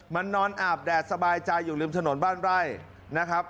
มันนอนอาบแดดสบายใจอยู่ริมถนนบ้านไร่นะครับ